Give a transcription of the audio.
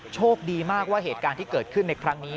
โชคดีมากว่าเหตุการณ์ที่เกิดขึ้นในครั้งนี้